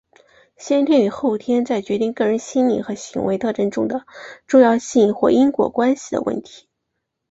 先天与后天在决定个人心理和行为特性中的重要性或因果关系的问题。